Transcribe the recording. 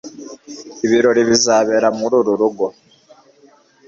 ibirori bizabera muri uru rugo